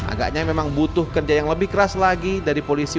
agaknya memang butuh kerja yang lebih keras lagi dari polisi